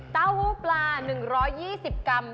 เต้าหู้ปลา๑๒๐กรัม